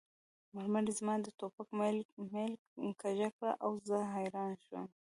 مرمۍ زما د ټوپک میل کږه کړه او زه حیران شوم